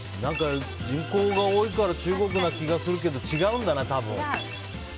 人口が多いから中国な気がするけど違うんだな、多分。